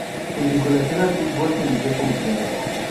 Su vinculación al fútbol se inició como jugador.